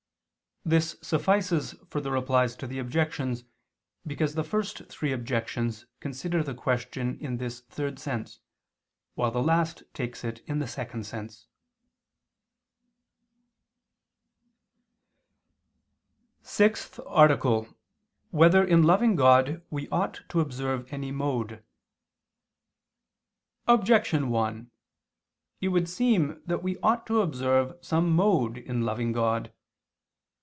This suffices for the Replies to the Objections, because the first three objections consider the question in this third sense, while the last takes it in the second sense. _______________________ SIXTH ARTICLE [II II, Q. 27, Art. 6] Whether in Loving God We Ought to Observe Any Mode? Objection 1: It would seem that we ought to observe some mode in loving God.